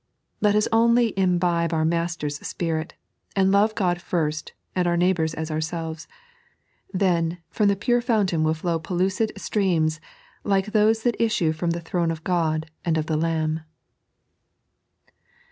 Let us only imbibe our Master's spirit, and love God first and our neighbours as ourselves — then, from the pure fountain wilt flow pellucid streams like those that issne from the throne of God and of the Lamb.